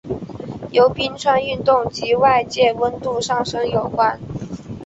由冰川运动及外界温度上升有关。